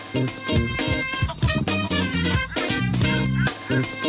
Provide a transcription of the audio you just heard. ทัชหน่อยทัชหน่อย